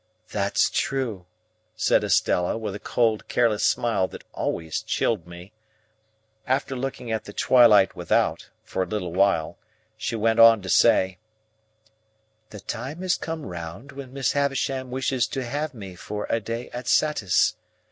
"That's true," said Estella, with a cold careless smile that always chilled me. After looking at the twilight without, for a little while, she went on to say:— "The time has come round when Miss Havisham wishes to have me for a day at Satis.